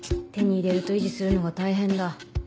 手に入れると維持するのが大変だ。